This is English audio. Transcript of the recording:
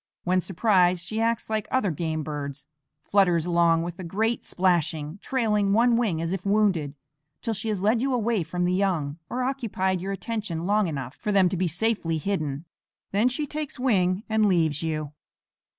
When surprised she acts like other game birds, flutters along with a great splashing, trailing one wing as if wounded, till she has led you away from the young, or occupied your attention long enough for them to be safely hidden; then she takes wing and leaves you.